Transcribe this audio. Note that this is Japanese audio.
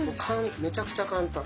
めちゃくちゃ簡単。